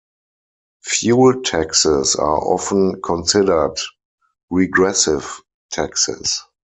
Fuel taxes are often considered regressive taxes.